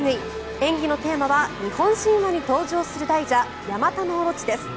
演技のテーマは日本神話に登場する大蛇ヤマタノオロチです。